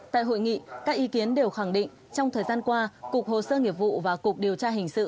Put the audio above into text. tại hội nghị các ý kiến đều khẳng định trong thời gian qua cục hồ sơ nghiệp vụ và cục điều tra hình sự